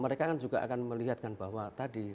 mereka kan juga akan melihatkan bahwa tadi